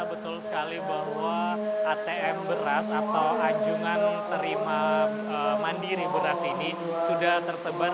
betul sekali bahwa atm beras atau anjungan terima mandiri beras ini sudah tersebar